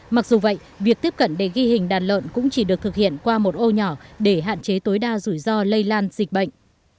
mặc dù vậy việc tiếp cận để ghi hình đàn lợn cũng chỉ được thực hiện qua một ô nhỏ để hạn chế tối đa rủi ro lây lan dịch bệnh